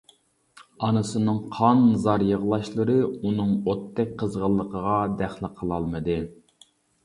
ئانىسىنىڭ قان زار يىغلاشلىرى ئۇنىڭ ئوتتەك قىزغىنلىقىغا دەخلى قىلالمىدى.